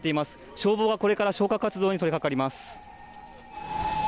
消防はこれから消火活動に取りかかります。